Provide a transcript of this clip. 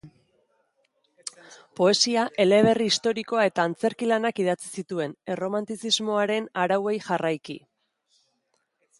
Poesia, eleberri historikoa eta antzerki-lanak idatzi zituen, erromantizismoaren arauei jarraiki.